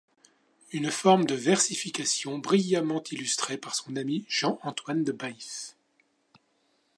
Une forme de versification brillamment illustrée par son ami Jean Antoine de Baïf.